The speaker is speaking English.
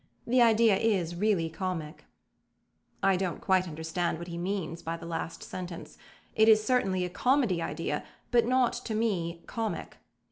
The idea is really comic." I don't quite understand what he means by the last sentence: it is certainly a comedy idea, but not to me comic.